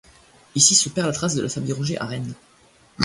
Ici se perd la trace de la famille Anger à Rennes.